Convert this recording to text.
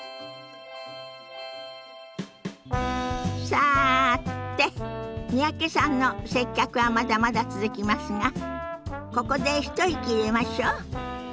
さて三宅さんの接客はまだまだ続きますがここで一息入れましょ。